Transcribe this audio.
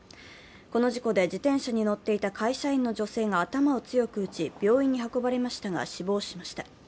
この事故で、自転車に乗っていた会社員の女性が頭を強く打ち病院に運ばれましたが、死亡しました。